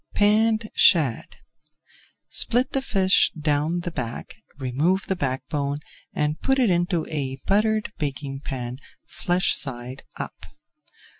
PANNED SHAD Split the fish down the back, remove the backbone, and put into a buttered baking pan, flesh side up.